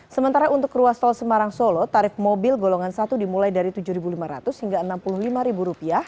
sementara untuk ruas tol semarang solo tarif mobil golongan satu dimulai dari rp tujuh lima ratus hingga rp enam puluh lima